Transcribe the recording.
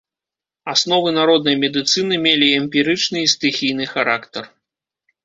Асновы народнай медыцыны мелі эмпірычны і стыхійны характар.